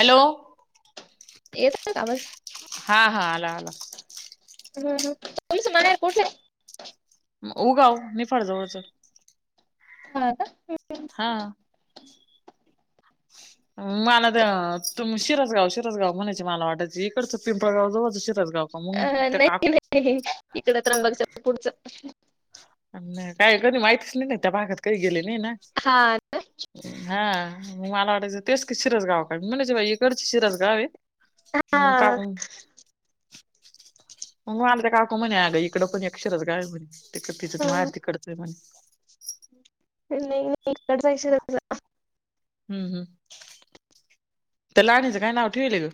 Hello येतोय का आवाज? हा हा आला आला हम् हम तुमचं म्हणार कुठे उगाऊ मी फडजवळच हा का हा मला ते त शिरसगाव शिरसगाव म्हणायचे मला वाटायची इकडच पिंपळगाव जवळ अ नाही नाही इकड त्रंबाकच्या पुढच नाही काय कधी माहितच नाही नाही त्या भागात कध गेले नाही ना हा हा म मला वाटयचं तेच क शिरस गाव काढ म्हणायची बा इकडच शिरस गाव आहे हा मग काकू मगवाले तर काकूम नाही आहे ग इकडं पण अक्षरच गाय म्हणे ति हं. मरतीिकडचं आहे म्हणे नाही नाही इकडचाशचा हम्म हम्म त्यालाणीच काय ना उ ठेवले ग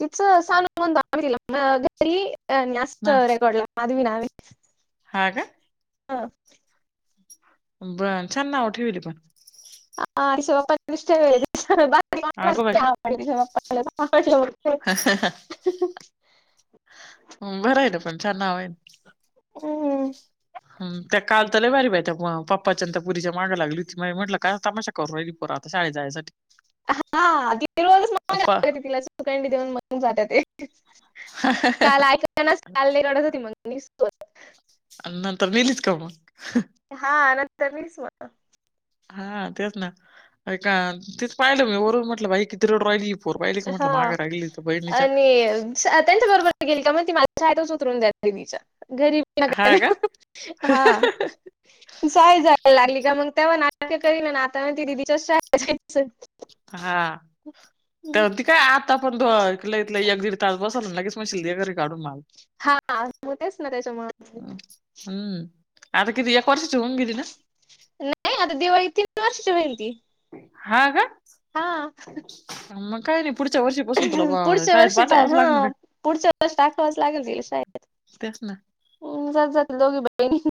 तिचं सानू म्हून द तिला घरीस्त रेकॉर्ड ला माधवी ना ह का हा बण छान नाव ठेवली पण ह रष बाप्पा अगं बाई दृ्यापा हा ह ह बरं आहे ना पण छान नाव आहे हम् हम त्या काल तरलाय बारी बाई त्या पप्पा चनंदतापुरीच्या माग लागली ती म्हटलं का करय रिपोरा आता शाळे जाण्यासाठी हा ति अफवा तिला सुखंडी देऊन मणून जात ते ह त्यांनाचाल काढत होती मग नंतर निलित काव हा नंतर मच मणा हा तेच ना ऐ का तेच पाहिलं मी वरून म्हटलं बाई किती रड राॉहिली पोर बाहिले का म्हटलं हा माग राहिली तर बहिणीच्या आणि त्यांच्या बरोबर गेली का मग ती माझच उतरून द्याच्या घरी हां का? हा जाय जायला लागली का मग त्याव नाक कर ना ना आता ना ते दिदीच्या हा तर त काय आता पणऐलं इथलं एक दीड तास बस गेच मरी काढून मल हा मू तेच ना त्याच्या म हं, हं. आता किती या कर्षच होून गेली ना नाही आता दिवाळी तीन वर्षाची होईल ती हा का हा नम का पुढच्या वर्षी बसून तुला पुढच्या शळेत वर्षीचा पाठावाच लागणार हा आहे पुढच्या वर्ष टाकावंच लागेल तिला शाळेत. त्याच ना जात जात दोघी बहिणी